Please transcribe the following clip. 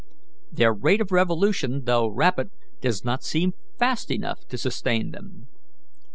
Their rate of revolution, though rapid, does not seem fast enough to sustain them.